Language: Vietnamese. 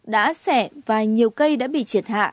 đã xẻ và nhiều cây đã bị triệt hạ